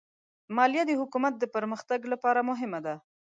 مالیه د حکومت د پرمختګ لپاره مهمه ده.